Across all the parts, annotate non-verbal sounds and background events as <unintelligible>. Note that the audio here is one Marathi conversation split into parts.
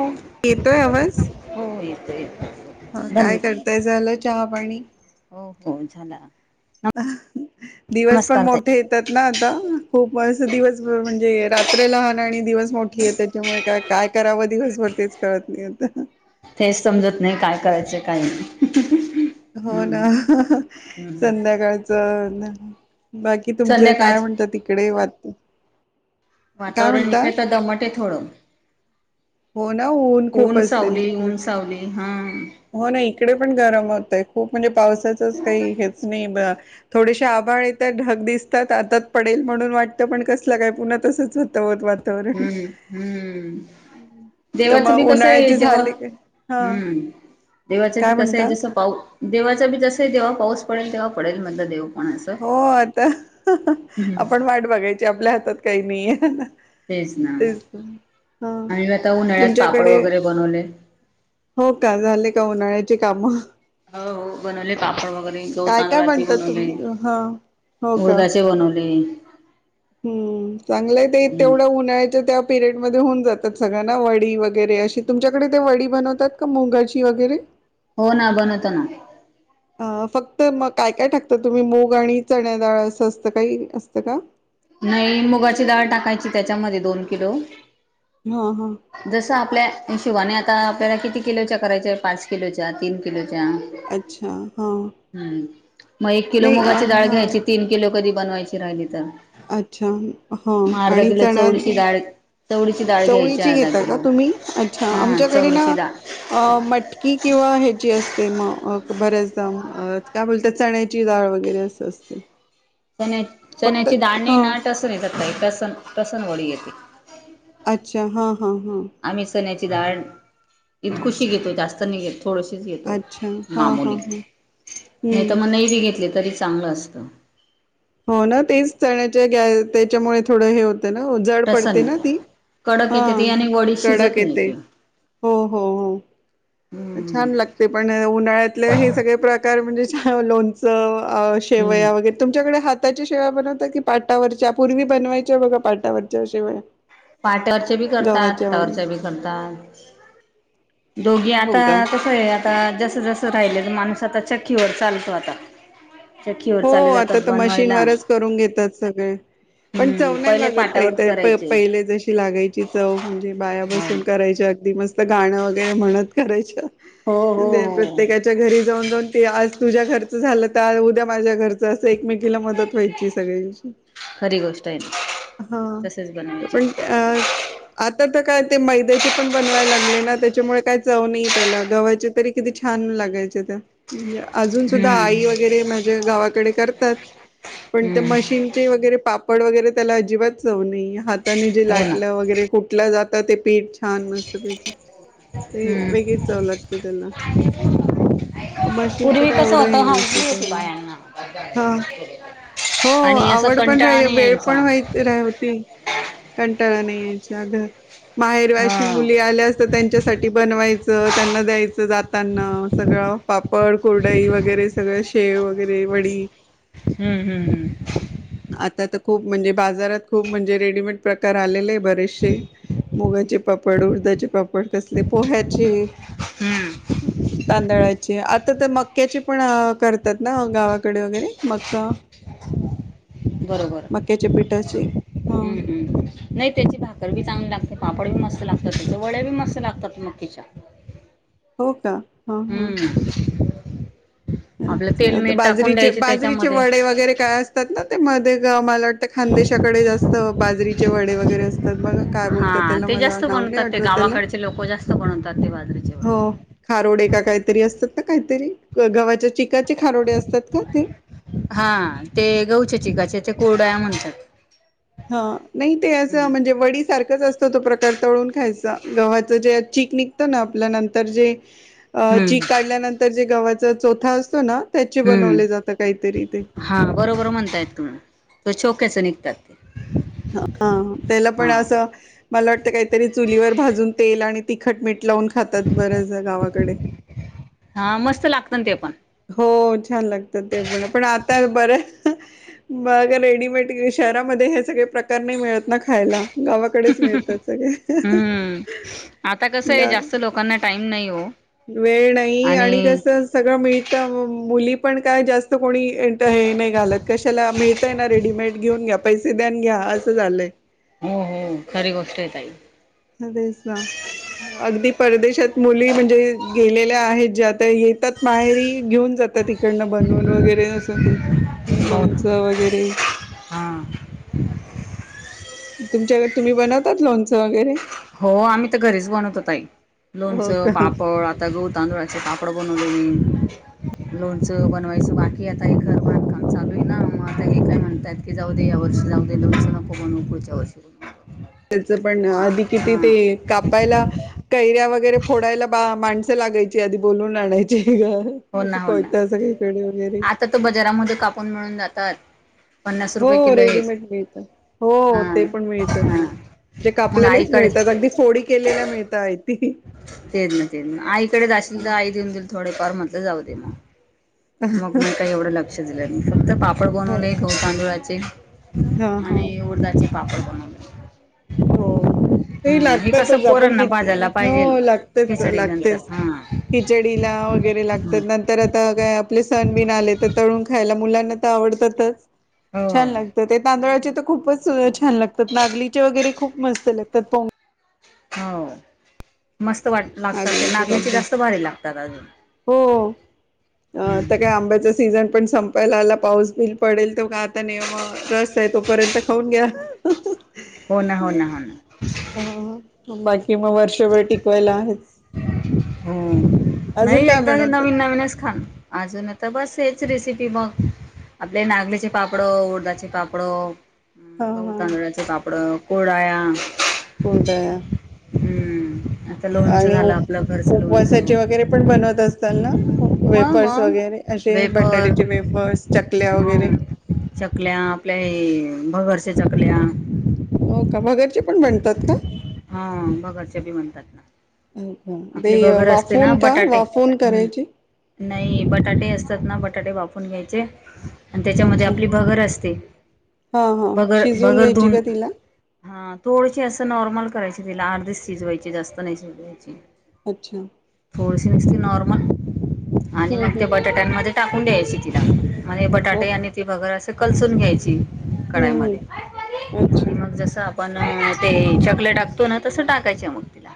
हो येतोय आवाज हो येते येते. हा काय करताय झालं चहा पाणी? हो हो झाला. दिवस पण नमस्कार ताई मोठ. ेतात ना आता खूप अस दिवस म्हणजे रात्र लहान आणि दिवस मोठी आहे त्याच्यामुळे का काय करावं दिवसभर तेच कळत नाही आता हेच समजत नाही काय करायचे काही नाही. हो हम्म ना हम्म. संध्याकाळच ना बाकी कि तुमच काय संध्याकाळच म्हणत तिकडे वाटत. वातावरण नििकळता दमटे थोडं. हो ना ऊन खूप असल तिकड. चवली हां. हो ना इकडे पण गरम होतय खूप म्हणजे पावसाचंच काही हेच नाही. थोडेसे आभाळ येतात ढग दिसतात आताात पडेल म्हणून वाटतं पण कसलं काय पुन्हा तसंच होतं होत वा. हम्म ह हम्म. तर देवाचं बी मग कस आहे उन्हाळ्याचे जेव्हा झाले की हा हम्म. देवाच बी काय कसं आहे म्हणता जसं पाऊ देवाचा बी जसं आहे तेव्हा पाऊस पडेल तेव्हा पडेल म्हणत देव. पण असं. हो आता हम्म आपण वाट बघायची आपल्या हातात काही नाहीय. तेच ना तेच हा आम्ही आता उन्हाळ्यात पापड तुमच्याकडे वगैरे बनवले. हो का झाले का उन्हाळ्याची कामं हो हो बनवले पापड वगैरे गह काय काय तांदूळाचे म्हणतात तुम बनवले. हा हो का मुरदाचे बनवले. हम्म चांगलंय ते हम्म तेवढं उन्हाळ्याच त्या पिरियड मध्ये होन जातात सगळ्यांना वडी वगैरे अशी तुमच्याकडे ते वडी बनवतात का मुगाची वगैरे हो ना बनवत ना. अ फक्त मग काय काय टाकत तुम्ही मूग आणि चण्या ाळ असं असतं काही असतं का? नाही मुगाची डाळ टाकायची, त्याच्यामध्ये दोन किलो, हा हा, जसं आपल्या हि शोबाणे आता, आपल्याला किती किलोच्या करायच्या पाच किलोच्या तीन किलोच्या, अच्छा हां, हम्म मग एक किलो मुगाची डाळ हा घ्यायची, तीन किलो कधी बनवायची राहिली तर, अच्छा ह, मग अर्धा आणि किलो चण चवळीची डाळ चवळीची डाळ चवळी, घ्यायची ची अर्धा घेत क किलो तुम्ही अच्छ हा आमच्या कडये ना, चवळीची डाळ अ मटकी किंवा ह्याची असते मग, बऱ्याचदा काय बोलत चण्याची डाळ वगैरे असते, सस्त, चण्या चण्याची दाणी हा नटसण येतात, काही प्रसन प्रसन वळी येते, अच्छा हां हां हां, आम्ही चन्याची डाळण, इतकुशी घेतो जास्तनी घेतो, थोडशीच येतो अच्छा. हां, मामूली हां, हां. नाही, तर हं. मग नै बी घेतले तरी चांगलं असतं. हो ना तेच चण्याच्या, गॅ त्याच्यामुळे थोडं हे हो, ना जड तसं पडते ना नाही ती, कडक हा येते ते आणि वडी शिजत कडक नाही येते, ते हो, हो, हो, हम्म छान लागते पण उन्हाळ्यातले, हे सगळे प्रकार म्हणजे, छ लोणचं. शेवया वगैे, तुमच्याकडे हाताची शेवा बनवता, की पाटावरच्या पूर्वी बनवायच्या बघा पाटावरच्या शेवया, पाटवरच्या बी करतात, गव्हाच्या वगैरे. हातावरच्या बी करतात, दोघी हो आता का? कसं आहे, आता जसं जसं राहिले, तर माणूस आता चक्कीवर चालतो आता, चक्कीवर हो चालले आता जातात तर बनवायला मशीनवरच, करून घेतात सगळे, पण हम्म चव नाही पहिले लागत पाटावर ताई, प करायचे पहिले जशी लागायची, च म्हणजे बाया बसून, हो करायच्या अगदी मस्त गाणं वगैरे म्हणत करायचं. हो हो प्रत्येकाच्या घरी जाऊन, जाऊन ते आज तुझ्या घरच झालं तर उद्या माझ्या घरच असं, एकमेकीला मदत व्हायची सगळी, खरी गोष्ट आहे हा तसेच बनवायचे पण अ, आता तर काय ते मैद्याचे पण बनवायला लागले ना, त्याच्यामुळे काय चव नाही त्याला, गव्हाची तरी किती छान लागायचे त्या, म्हणजे अजून सुद्धा हम्म आई वगैरे, ज गावाकडे करतात, पण ते हम्म मशीन, चे वगैरे पापड वगैरे त्याला, अजिबात चव नये हाताने जे हो ना लाटलं वगैरे, फुटला जात ते पीठ, छान मस्तपैकी ते हम्म वेगच, चव लागते त्याला, मशीनच काय एवढं हे नसत ते हे, ह, <unintelligible> हा हो आवड पण कंटाळा राही, नाही वेळ यायचा पण व्हाय ते रा होतील कंटाळा नाही, यायच्या अ घर, हा माहेरवाशी मुली आल्या, असत त्यांच्या, साठी बनवायचं त्यांना द्यायचं, जाताना सगळं पापड, कोुरडाई वगैरे सगळं शेव वगैरे वडी, हम्म हम्म हम्, आता तर खूप म्हणजे बाजारात, खूप म्हणजे रेडीमेड प्रकार आलेले आहे बरेचसे, मुगाचे पापड, उर्धाचे पापड, कसले पोह्याचे हम्म तांदळाची आता तर मक्याची, पण करतात. ना गावाकडे वगैरे मक्का, बरोबर मक्याच्या पिठाचे, हा, हम्म हम्म नाही त्याची भाकरर बी चांगली लागते, पापड बी मस्त लागतात, त्याच्यां वड्या बी मस्त लागतात मकीच्या, <inaudible> हो का, ह ह, हम्म आपलं तेल अच्छा मीठ टाकून बाजरीचे द्यायचे बाजरीचे त्याच्यामध्ये वडे वगैरे काय, असतात ना ते मध्ये ग मला, त्या खानदेशाकडे जास्त बाजरीचे वडे वगैरे असतात बघा काय बोलतात हा त्याला ते मला जास्त नाव नाही बनवतात ते आठवत त्याला गावाकडचे लोक जास्त बनवतात ते बाजरीच्या वड्या हो खारोडे का काहीतरी असतात ना काहीतरी गव्हाच्या चिकाचे खारोडे असतात का ते हा ते गहूच्या चिकाच्या कुरडया म्हणतात ह नाही ते असं हम्म म्हणजे वडी सारखंच असत तो प्रकार तळून खायचा गव्हाचं जे चीक निघतं ना आपल्या नंतर जे अ हम्म चीक काढल्यानंतर जे गव्हाचा चोथा असतो ना त्याचे हम्म बनवले जातं काहीतरी ते हा बरोबर म्हणतायेत तुम्ही त चोथ्याचं निघतात ते हा त्याला पण हा असं मला वाटतं काहीतरी चुलीवर भाजून तेल आणि तिखट मीठ लावून खातात बऱ्याच गावाकडे हा मस्त लागत ना ते पण हो छान लागतं ते पण पण आता बरं मग रेडीमेड शहरामध्ये हे सगळे प्रकार नाही मिळत ना खायला गावा कडेच मिळतात सगळे हम्म आता कसं आहे जास्त लोकांना टाईम नाही हो वेळ नाही आणि कस सगळं मिळतं मुली पण काय जास्त कोणी हे नाही घालत कशाला मी ना रेडीमेड घेऊन घ्या पैसे द्या अन घ्या असं झालंय हो हो खरी गोष्ट आहेे ताई तेचं ना अगदी परदेशात मुली म्हणजे गेलेल्या आहेत ज्या त्या येतात माहेरी घेऊन जातात इकडंनं बनवून वगैरे असं ते हो लोणचं वगैरे हा तुमच्याकडे तुम्ही बनवतात लोणचं वगैरे हो आम्ही तर घरीच बनवतो ताई हो लोणचं का पापड आता गहू तांदूळा पापड बनवले मी लोणचं बनवायचं बाकी आता हे घर बांधकाम चालू आहे ना मग आता हे काय म्हणतात ते जाऊ दे या वर्षी जाऊ दे लोणचं नको बनवू पुढच्या वर्षी त्याच पण मग आधी किती हा ते कापायला कैऱ्या वगैरे फोडायला बा माणसं लागायची आधी बोलून आणायची घ हो ना हो ना आता तर बजारामध्ये कापून मिळून जातात पन्नास रुपये हो किलो एक रेडीमेड मिळतं हो हा ते पण मिळतात हा ना जे मग कापलेलेच आईकडे मिळतात अगदी फोडी केलेल्या मिळतायेत ते तेचं ना तेचं ना आईकडेच जाशील तर आई देऊन देईल थोडेफार म्हटलं जाऊ दे मग मग मी काही एवढं लक्ष दिलं नाही फक्त पापड बनवले गहू तांदुळाचे हा हा. आणि उडदाचे पापड बनवले हो ते हम्म हे कसं लागतातच आपण पोरांना किती भाजायला पाहिजेल हो लागतेच खिचडी नंतर लागतेच हा खिचडीला वगैरे लागतात ना तर आता काय आपले सण बिन आले तर तळून खायला मुलांना तर आवडतातच हो छान लागतात ते तांदळाचे तर खूपच सुरे छान लागतात नागलीचे वगैरे खूप मस्त लागतात हो मस्त वाट लागतात ते नागलीचे नागल्याचे बाप्पा जास्त भारी लागतात अजून हो आता काय हम्म आंब्याचा सीझन पण संपायला आला पाऊस बिल पडेल तो काय आता न रस तोपर्यंत खाऊन घ्या हो ना हो ना हो ना ह बाकी मग वर्षभर टिकवायला आहेच हो अजून नाही काय एकदा बनवतात नवीन नवीनच खान अजून आता बस हेच रेसिपी मग आपले नागलीचे पापडं उडदाचे पापडं अ हा गहू हा तांदळाचे पापडं कुरडया फकुलड <inaudible> हम्म हा आणि उ उपवासाचे वगैरे पण बनवत असतात ना मग वेफर्स मग वगैरे, असे वेफर बटाट्याचे वेफर्सट चकल्या वगैरे हं चकल्या आपल्या हे भगरच्या चकल्या हो का भगरचे पण म्हणतात का? हा भगरच्या बी म्हणतात ना, ते आपले बगर असते ना वाफवून का बटाटे वाफवून हम् करायची नाही बटाटे असतात ना बटाटे वापून घ्यायचे. आणि त्याच्यामध्ये अच्छा आपली बगर असते हा हा बगर शिजवून बगर घ्यायची धोन का तिला हा थोडशी असं नॉर्मल करायची तिला अर्धीच शिजवायचे जास्त नाही शिजवायची. अच्छा थोडीशी नसती नॉर्मल आणि हम्म मग त्या हम्म बटाट्यांमध्ये टाकून द्यायची तिला म्हणजे ओ बटाटे आणि ती बघर असे कलसून घ्यायची. कढाई म हम्म हम्म अच्छा मग जस आपण ते चॉकलेट ो ना तसं टाकायं मग तिला,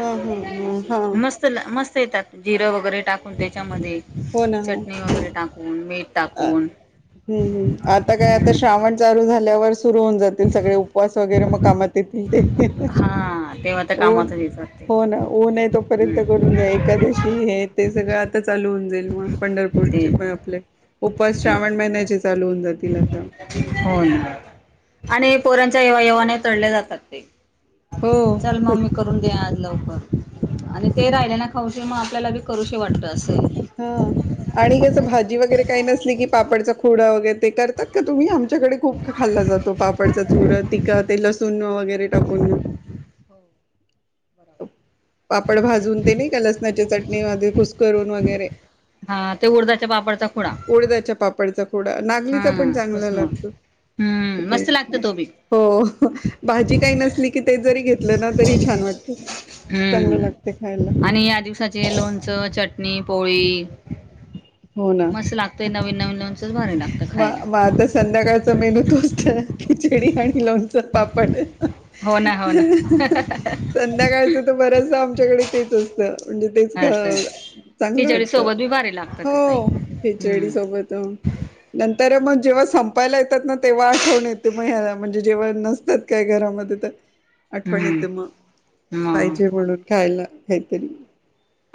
हा हा हम हा मत मस्त येतात जिरं वगैरे टाकून त्याच्यामध्ये हो ना हो चटणी वगैरे टाकून मीठ अ टाकून हम्म हम्म आता काय आता श्रावण चालू झाल्यावर सुरु होऊन जातील सगळे उपवास वगैरे मग कामात येतील ते, हा तेव्हा त्या ऊन कामातच येतात ते हो ना ऊन आहे तोपर्यंत हम्म करून घ्या एकादशी हे ते सगळं आता चालू होऊन जाईल मग पंढरपूरचे पण तेच आपले उपास तेच श्रावण महिन्याचे चालू होून जातील आता हो आणि पोरांच्या येव्हा येव्हा नाही तळले जातात ते हो चल म्मी करून द लवकर आणि ते राहिले ना खाऊश मग आपल्यालाी करू वाटत असे. हा आणि कसं भाजी वगैरे काही नसली की पापडचा खोडा वगैरे ते करतात का तुम्ही आम त्याच्याकडे खूप खाल्ला जातो पापडचा चूर ते लसूण वगैरे टाकून पापड भाजून ते नाही का लसणाची चटणी कुसकरून वगैरे हा ते उडदाच्या पापडचा खुडा कोडदच्या पापडचा खोडा, नागलीचा पण हा चांगला कसमळ लागतो. हम्म ते मस्त लागत तो बी हो भाजी काही नसली की ते जरी घेतलं ना तरी छान वाटत. चांगलं लागते खायला हम्म आणि या दिवसाचे लोणचं, चटणी पोळी मस्त लागतय नवीन नवीन नवी बा बा आता संध्याकाळचा मेनू तोचत खिचडी आणि लोणच पापड हो ना हो ना संध्याकाळच तर बरच आमच्याकडे तेच असतं. म्हणजे तेच असं का चांगलं खिचडी वाटत सोबत बी भारी लागतं ते ताई हो खीचडी हम्म सोबत तर नंतर मग जेव्हा संपायला येतात ना तेव्हा आठवून येते मग ह्याला म्हणजे जेव्हा नसतात काय घरामध्ये तर ह आठवण येते मग पाहिजे म्हणून खायला काहीतरी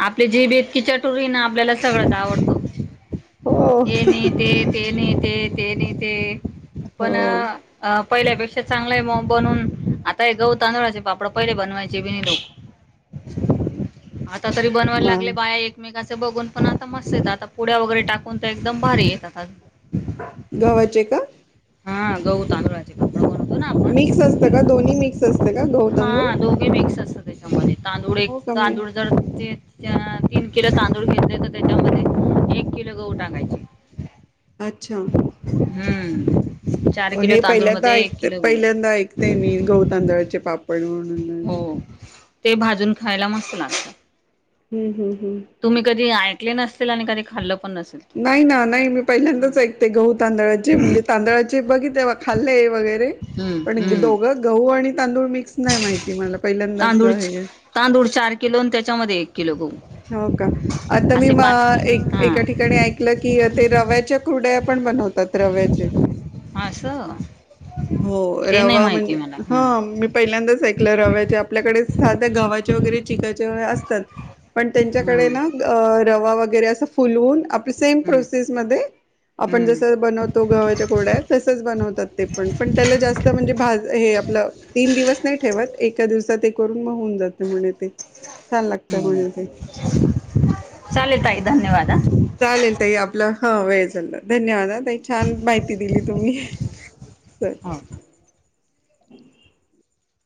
आपले जीभ इतकी चटुरी ना आपल्याला सगळंच आवडतं. हो हे नाही ते ते नाही ते ते नाही ते पण अ पहिल्यापेक्षा चांगलंय म बनून आता हे गह तांदुळाचे पापड पहिले बनवायचे बीनी लोक तसरी बनवायला म लागले बाया एक मेकाचे बघून पण आता मस्त येतात आता पुड्या वगैरे टाकून तर एकदम भारी येतात आ गवचे का? हा गहू तांदूळ मिक्स असतं का दोन्ही मिक्स असतं का गहू, तांदूळ? हा दोघे मिक्स असत त्याच्यामध्ये तांदूळ एक हो कमी तांदूळ जर ते तीन किलो तांदूळ घेतले तर त्याच्यामध्ये एक किलो गहू टाकायची. अच्छा. हम्म. चार किलो हे तांदूळ पहिल्यांदा मध्ये एक ऐकते किलो गहू पहिल्यांदा ऐकते मी गहऊ तांदळाचे पापड म्हणून हो. ते भाजून खायला मस्त लागत. हम्म हम् हम्. तुम्ही कधी ऐकले नसतील आणि कधी खाल्लं पण नसेल. तू नाही ना नाही मी हम्म पहिल्यांदाच ऐकते गहू तांदळाचे म्हणजे तांदळाचे बघित खाल्ले वगैरे हम्म पण हम्म. दोघं गहू, तांदूळ मिक्स नाही माहिती मला पहिल्यांदाच तांदूळ हे तांदूळ चार किलो आणि त्याच्यामध्ये एक किलो गहू. हो का? आता मी असे म पाच एक एका हा ठिकाणी ऐकलं की ते रव्याच्या कुरड्या पण बनवत रव्याचे असं हो ते नाही रवा माहिती म्हणजे मला हा हम्म मी पहिल्यांदाच ऐकलं रवायचे आपल्याकडे साध्या गववा्हाचे वगैरे चिकायचे व असतात. पण पण त्यांच्याकडे हम्म ना रवा वगैरे असं फुलवून आपल्या सेम हम्म प्रोसेसमध्येध्ये आपण हम्म जसं बनवतो गव्हाच्या कुरडया तसंच बनवतात ते पण पण त्याला जास्त म्हणजे भाज हे आपलं तीन दिवस नाही ठेवत एका दिवसात ते करून मग होऊन जात म्हणे ते छान लागतं म्हणे. ते चाले तई धन्यवाद. चालेल तई आपला हा वेळ चालला धन्यवाद आ त छान माहिती दिली तुम्ही. चल हा.